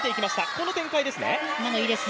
この展開ですね。